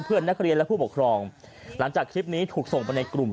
เพื่อนนักเรียนและผู้ปกครองหลังจากคลิปนี้ถูกส่งไปในกลุ่ม